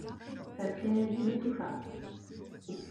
Sa frénésie l'étouffa.